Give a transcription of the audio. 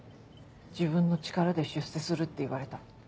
自分の力で出世するって言われた。